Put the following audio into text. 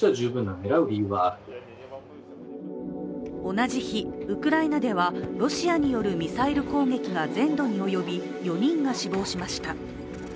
同じ日、ウクライナではロシアによるミサイル攻撃が全土に及び４人が死亡しました。